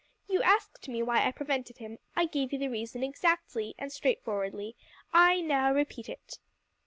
You asked me why I prevented him: I gave you the reason exactly and straightforwardly. I now repeat it."